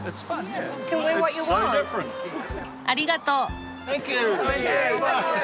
ありがとう。